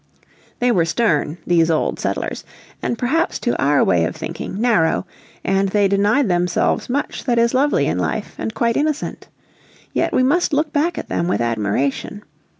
They were stern, these old settlers, and perhaps to our way of thinking narrow, and they denied themselves much that is lovely in life and quite innocent. Yet we must look back at them with admiration.